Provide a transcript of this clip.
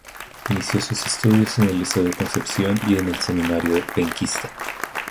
Inició sus estudios en el Liceo de Concepción y en el Seminario penquista.